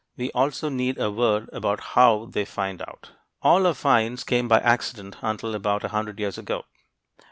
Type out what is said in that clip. We also need a word about how they find out. All our finds came by accident until about a hundred years ago.